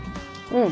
うん。